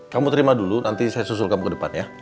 kamu terima dulu nanti saya susul kamu ke depan ya